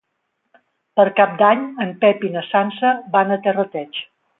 Per Cap d'Any en Pep i na Sança van a Terrateig.